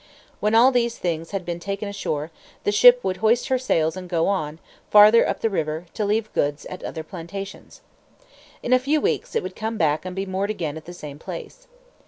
When all these things had been taken ashore, the ship would hoist her sails and go on, farther up the river, to leave goods at other plantations. In a few weeks it would come back and be moored again at the same place.